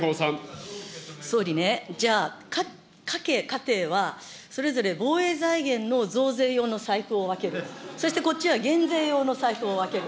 総理ね、じゃあ、家計、家庭はそれぞれ防衛財源の増税用の財布を分ける、そしてこっちは財布を分ける。